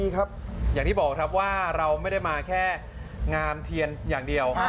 ครับอย่างที่บอกครับว่าเราไม่ได้มาแค่งามเทียนอย่างเดียว